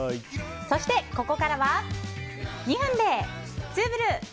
そしてここからは２分でツウぶる！